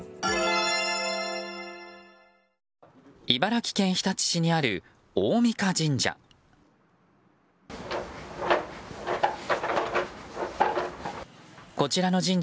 茨城県日立市にある大甕神社。